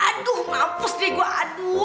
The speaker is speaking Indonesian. aduh mampus deh gue aduh